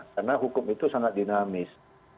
karena hukum itu sangat dinamis